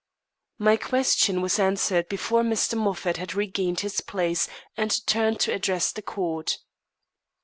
My question was answered before Mr. Moffat had regained his place and turned to address the court.